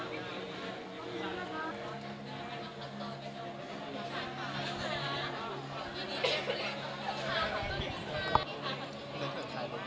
เดี๋ยวตามสายปลาเอง